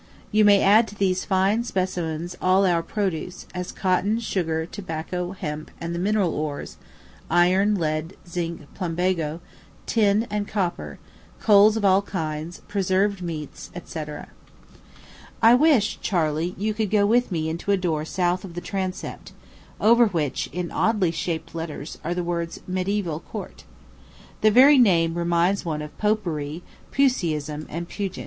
You may add to these fine specimens of all our produce, as cotton, sugar, tobacco, hemp, and the mineral ores iron, lead, zinc, plumbago, tin, and copper, coals of all kinds, preserved meats, &c., &c. I wish, Charley, you could go with me into a door south of the transept, over which, in oddly shaped letters, are the words "MEDIÆVAL COURT." The very name reminds one of Popery, Puseyism, and Pugin.